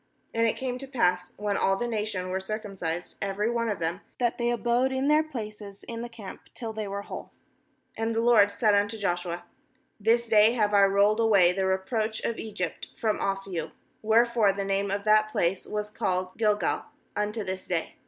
8And it came to pass, when all the nation were circumcised^ every one of them, that they abode in their places in the camp, till they were whole. 9And the LORD said unto Joshua: 'This day have I rolled away the reproach of Egypt from off you/ Wherefore the name of that place was called bGilgal, unto this day.